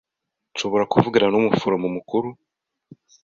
Nshobora kuvugana n’umuforomo mukuru?